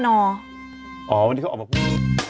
วันนี้เขาออกมาพูด